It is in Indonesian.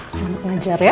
sangat ngajar ya